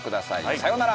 さようなら！